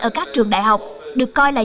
ở các trường đại học được coi là